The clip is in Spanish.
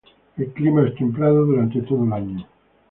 El clima es templado durante todo el año.